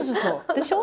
でしょ？